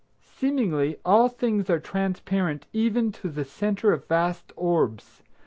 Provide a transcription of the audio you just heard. Seemingly all things are transparent even to the center of vast orbs.